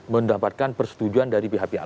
mendapatkan persetujuan dari pihak pihak